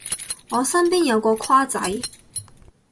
我身邊有個跨仔